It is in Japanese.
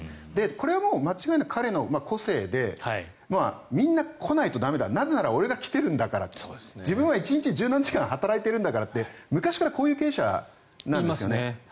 これは間違いなく彼の個性でみんな来ないと駄目だなぜなら俺が来ているんだから自分は１日１０何時間働いてるんだからって昔からこういう経営者なんですね。